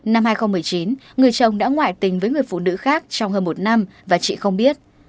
năm hai nghìn một mươi chín người chồng đã ngoại tình với người phụ nữ khác trong hơn một năm và chị không biết